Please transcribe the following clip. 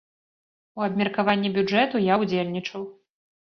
У абмеркаванні бюджэту я ўдзельнічаў.